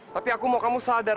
tapi aku mau kamu sadar